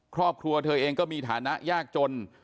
ครอบครัวเธอเองก็มีฐานะยากจน